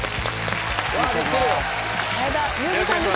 前田裕二さんです。